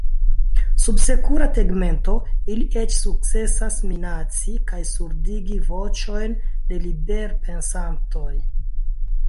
Sub sekura tegmento ili eĉ sukcesas minaci kaj surdigi voĉojn de liberpensantoj.